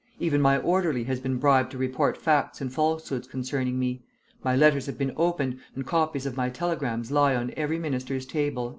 Even my orderly has been bribed to report facts and falsehoods concerning me. My letters have been opened, and copies of my telegrams lie on every minister's table."